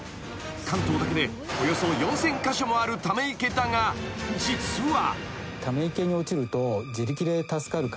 ［関東だけでおよそ４，０００カ所もあるため池だが実は］